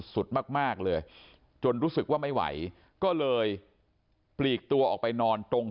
สุดมากเลยจนรู้สึกว่าไม่ไหวก็เลยปลีกตัวออกไปนอนตรง